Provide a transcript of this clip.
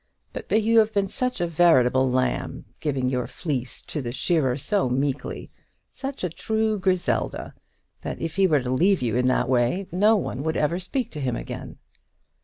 But you have been such a veritable lamb, giving your fleece to the shearer so meekly, such a true Griselda, that if he were to leave you in that way, no one would ever speak to him again."